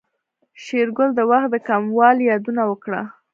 شېرګل د وخت د کموالي يادونه وکړه.